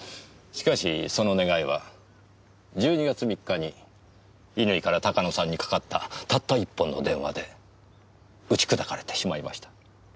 しかしその願いは１２月３日に乾から鷹野さんにかかったたった１本の電話で打ち砕かれてしまいました。